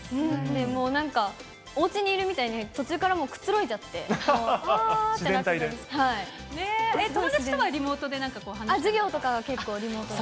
もうなんか、おうちにいるみたいに途中からもうくつろいじゃって、友達とは、リモートでなんか授業とかは結構リモートで。